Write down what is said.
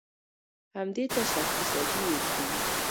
همدې ته شرطي سازي ويل کېږي.